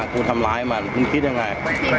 กูทำร้ายมันมึงคิดยังไง